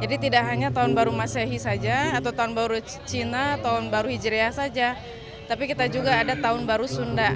jadi tidak hanya tahun baru masehi saja atau tahun baru cina tahun baru hijriah saja tapi kita juga ada tahun baru sunda